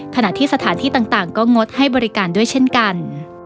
ขณะที่สถานที่ต่างก็งดให้บริการด้วยเช่นกัน